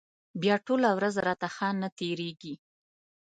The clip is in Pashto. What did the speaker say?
بیا ټوله ورځ راته ښه نه تېرېږي.